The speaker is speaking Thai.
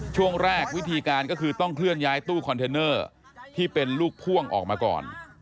ช่วงแรกวิธีการก็คือต้องเคลื่อนย้ายตู้คอนเทนเนอร์ที่เป็นลูกพ่วงออกมาก่อน